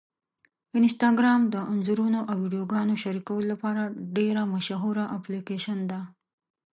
انسټاګرام د انځورونو او ویډیوګانو شریکولو لپاره ډېره مشهوره اپلیکېشن ده.